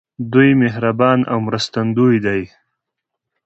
دوی مهربان او مرستندوی دي.